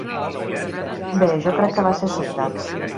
Bé, jo crec que va ser sobtat!